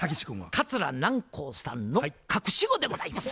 桂南光さんの隠し子でございます。